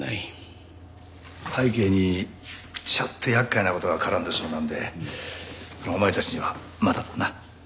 背景にちょっと厄介な事が絡んでそうなんでお前たちにはまだな。